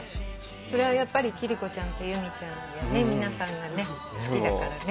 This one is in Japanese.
それはやっぱり貴理子ちゃんと由美ちゃんやね皆さんがね好きだからね。